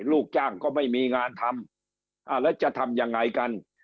ลูกจ้างก็ไม่มีงานทำแล้วจะทำยังไงกัน